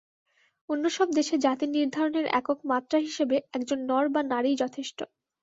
অন্য সব দেশে জাতিনির্ধারণের একক মাত্রা হিসাবে একজন নর বা নারীই যথেষ্ট।